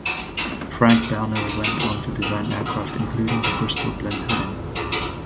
Frank Barnwell went on to design aircraft including the Bristol Blenheim.